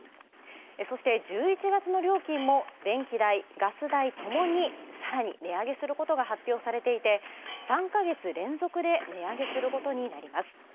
そして、１１月の料金も電気代・ガス代ともに、さらに値上げすることが発表されていて３か月連続で値上げすることになります。